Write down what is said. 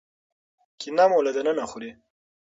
کینه مو له دننه خوري.